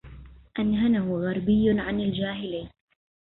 أنهنه غربي عن الجاهلي